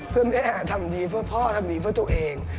เพื่อแม่ทำดีเพื่อพ่อทำดีเพื่อตัวเอง